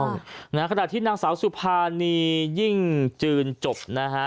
นะฮะขณะที่นางสาวสุภานียิ่งจืนจบนะฮะ